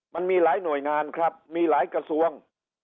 มันมีหลายหน่วยงานครับมีหลายกระทรวง